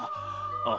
ああ。